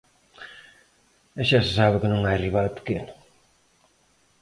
E xa se sabe que non hai rival pequeno.